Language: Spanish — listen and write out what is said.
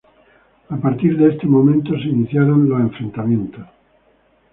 A partir de este momento se iniciaron los enfrentamientos.